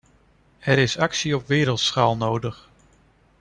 Er is actie op wereldschaal nodig.